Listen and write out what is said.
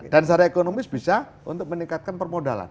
dan secara ekonomis bisa untuk meningkatkan permodalan